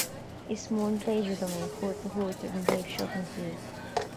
Is mór an pléisiúr dom é cuairt a thabhairt ar an taobh seo den tír